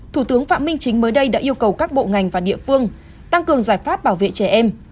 thủ tướng phạm minh chính mới đây đã yêu cầu các bộ ngành và địa phương tăng cường giải pháp bảo vệ trẻ em